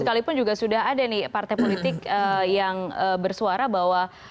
sekalipun juga sudah ada nih partai politik yang bersuara bahwa